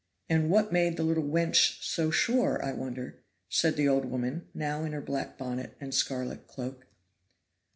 "And what made the little wench so sure, I wonder?" said the old woman, now in her black bonnet and scarlet cloak.